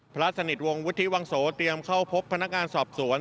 พระสนิทวงศ์วุฒิวังโสเตรียมเข้าพบพนักงานสอบสวน